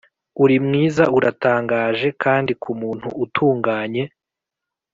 uri mwiza, uratangaje, kandi kumuntu utunganye.